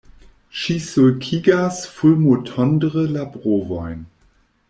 Ŝi sulkigas fulmotondre la brovojn.